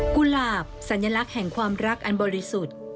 กุหลาบสัญลักษณ์แห่งความรักอันบริสุทธิ์